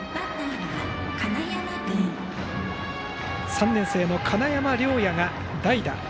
３年生の金山涼矢が代打。